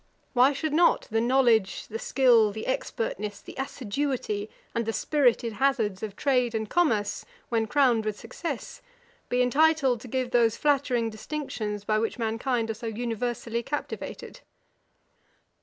Why should not the knowledge, the skill, the expertness, the assiduity, and the spirited hazards of trade and commerce, when crowned with success, be entitled to give those flattering distinctions by which mankind are so universally captivated?